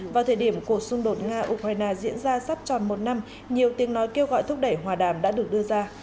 vào thời điểm cuộc xung đột nga ukraine diễn ra sắp tròn một năm nhiều tiếng nói kêu gọi thúc đẩy hòa đàm đã được đưa ra